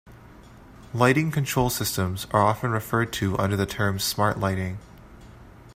Lighting control systems are often referred to under the term Smart Lighting.